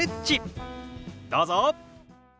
どうぞ。